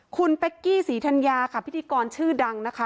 คุณเป๊กกี้ศรีธัญญาค่ะพิธีกรชื่อดังนะคะ